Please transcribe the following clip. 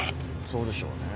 そうでしょうね。